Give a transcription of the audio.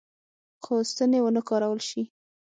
څو ستنې ونه کارول شي.